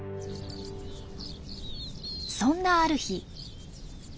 そんなある日。